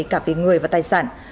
cả về người và tài sản